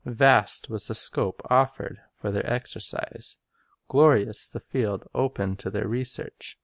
Vast was the scope offered for their exercise; glorious the field opened to their re search.